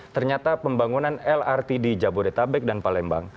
ternyata pembangunan lrt di jabodetabek dan palembang